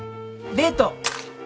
デート？